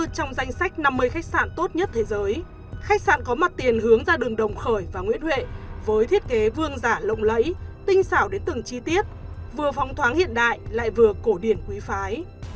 trong danh sách năm mươi khách sạn tốt nhất thế giới khách sạn có mặt tiền hướng ra đường đồng khởi và nguyễn huệ với thiết kế vương giả lộng lẫy tinh xảo đến từng chi tiết vừa phóng thoáng hiện đại lại vừa cổ điển quý phái